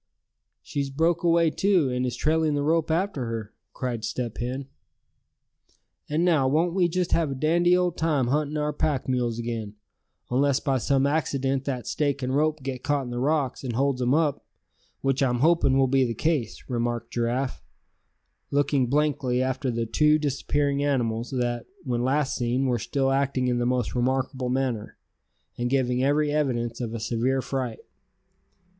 "She's broke away too, and is trailing the rope after her!" cried Step Hen. "And now, won't we just have a dandy old time hunting our pack mules again; unless by some accident that stake and rope get caught in the rocks, and holds 'em up; which I'm hoping will be the case," remarked Giraffe, looking blankly after the two disappearing animals, that, when last seen, were still acting in the most remarkable manner, and giving every evidence of a severe fright.